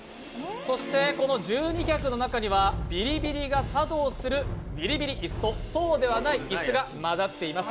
そしてこの１２脚にはビリビリが作動するビリビリ椅子とそうではない椅子があります。